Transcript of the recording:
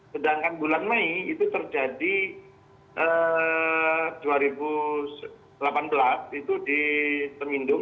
sedangkan bulan mei itu terjadi dua ribu delapan belas itu di temindung